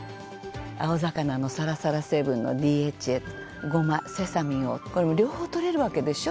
青魚のサラサラ成分のＤＨＡゴマセサミンを両方摂れるわけでしょ。